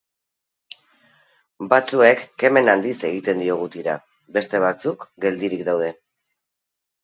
Batzuk kemen handiz egiten diogu tira, beste batzu geldirik daude.